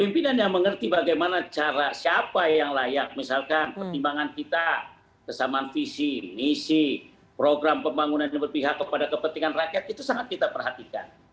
pimpinan yang mengerti bagaimana cara siapa yang layak misalkan pertimbangan kita kesamaan visi misi program pembangunan yang berpihak kepada kepentingan rakyat itu sangat kita perhatikan